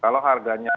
kalau harganya turun